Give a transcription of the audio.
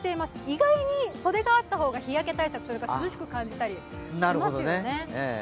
意外に袖があった方が日焼け対策できるから涼しく感じられたりしますよね。